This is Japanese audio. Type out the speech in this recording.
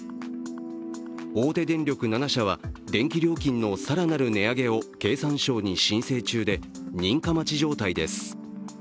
大手電力７社は電気料金の更なる値上げを経産省に申請中で認可待ち状態です。